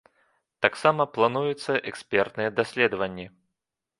Таксама плануюцца экспертныя даследаванні.